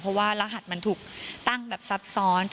เพราะว่ารหัสมันถูกตั้งแบบซับซ้อน